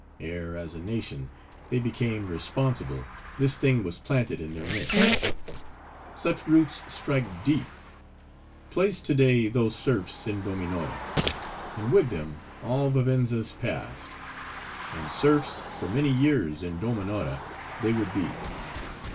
Ere, as a nation, they became responsible, this thing was planted in their midst. Such roots strike deep. Place to day those serfs in Dominora; and with them, all Vivenza's Past;— and serfs, for many years, in Dominora, they would be.